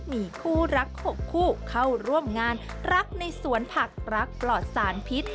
มีคู่รัก๖คู่เข้าร่วมงานรักในสวนผักรักปลอดสารพิษ